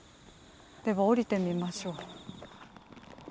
では降りてみましょう。